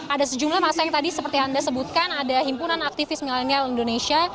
ada sejumlah masa yang tadi seperti anda sebutkan ada himpunan aktivis milenial indonesia